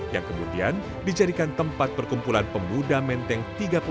yang kemudian dijadikan tempat perkumpulan pemuda menteng tiga puluh dua